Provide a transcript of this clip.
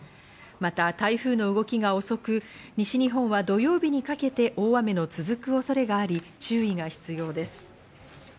また台風の動きが遅く、西日本は土曜日にかけて大雨の続く恐れがあり、注意が必要です。